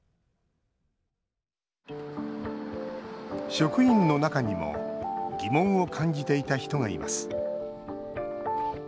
職員の中にも疑問を感じていた人がいます。